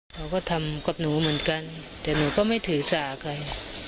เขาก็ทำกับหนูเหมือนกันแต่หนูก็ไม่ถือสาใคร